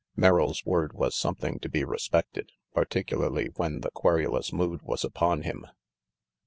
Merrill's word was something to be respected, particularly when the querulous mood was upon him.